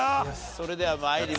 それでは参りましょう。